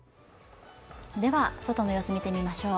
では、外の様子見てみましょう。